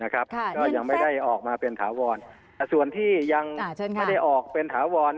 ก็ยังไม่ได้ออกมาเป็นถาวรแต่ส่วนที่ยังไม่ได้ออกเป็นถาวร